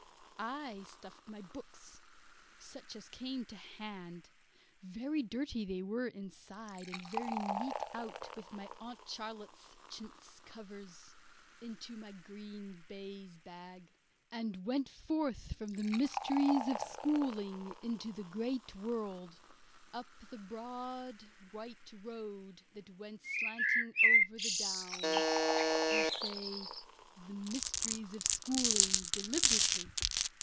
I stuffed my books, such as came to hand very dirty they were inside, and very neat out with my Aunt Charlotte's chintz covers into my green baize bag, and went forth from the mysteries of schooling into the great world, up the broad white road that went slanting over the Down. I say "the mysteries of schooling" deliberately.